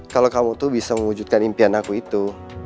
kalau kamu tuh bisa mewujudkan impian aku itu